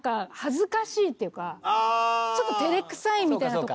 ちょっと照れくさいみたいなところがあって。